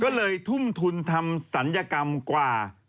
ก็เลยทุ่มทุนทำศัลยกรรมกว่า